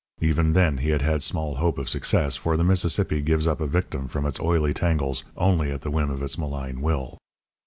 Even then he had had small hope of success, for the Mississippi gives up a victim from its oily tangles only at the whim of its malign will.